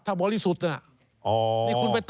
ถ้าบริสุทธิ์น่ะ